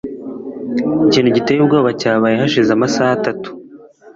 Ikintu giteye ubwoba cyabaye hashize amasaha atatu.